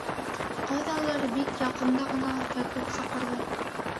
Ҡайҙалыр бик яҡында ғына кәкүк саҡырҙы.